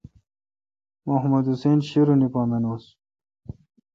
محمد حسین شیرونی پا مانوس۔